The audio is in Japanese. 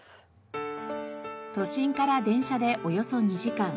都心から電車でおよそ２時間。